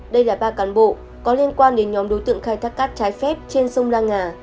đây là ba cán bộ có liên quan đến nhóm đối tượng khai thác cát trái phép trên sông la ngà